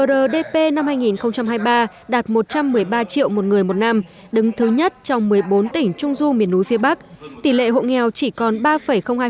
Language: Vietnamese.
rdp năm hai nghìn hai mươi ba đạt một trăm một mươi ba triệu một người một năm đứng thứ nhất trong một mươi bốn tỉnh trung du miền núi phía bắc tỷ lệ hộ nghèo chỉ còn ba hai